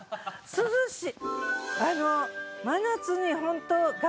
涼しい。